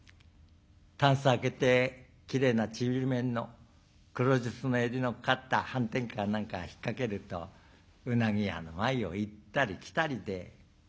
たんす開けてきれいなちりめんの黒繻子の襟のかかったはんてんか何か引っ掛けるとうなぎ屋の前を行ったり来たりで。